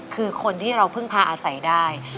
คือคนที่เราเพิ่งพาอาศัยได้